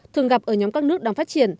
thường gặp ở nhóm các nước đang phát triển